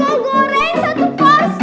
jengkol goreng satu porsi